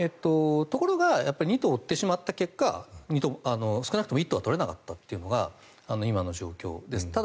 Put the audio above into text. ところが二兎を追ってしまった結果少なくとも一兎は取れなかったというのが今の状況です。